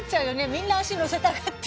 みんな足乗せたがって。